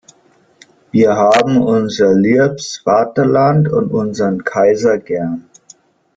Wir hab’n unser liab’s Vaterland und unsern Kaiser gern!